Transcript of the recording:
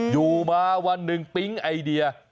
อยู่มาวันหนึ่งปิ๊งไอเดีย